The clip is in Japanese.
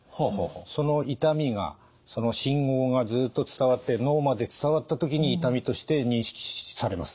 その痛みがその信号がずっと伝わって脳まで伝わった時に痛みとして認識されます。